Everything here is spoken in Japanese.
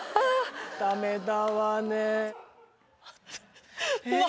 ダメだわね。